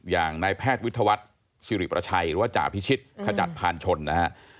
อย่างนายแพทย์วิทยาวัฒน์สิริประชัยหรือว่าจ่าพิชิตขจัดพานชนนะฮะ